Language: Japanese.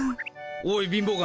おい貧乏神